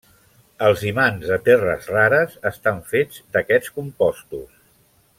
Els imants de terres rares estan fets d'aquests compostos.